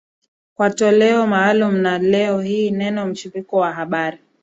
Kwa toleo maalum na leo hii neno mchipuko wa habari